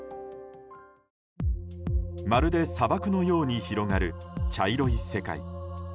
まるで砂漠のように広がる茶色い世界。